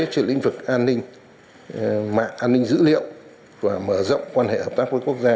trên lĩnh vực an ninh mạng an ninh dữ liệu và mở rộng quan hệ hợp tác với quốc gia